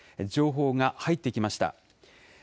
情報が入ってきました。